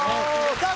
さあ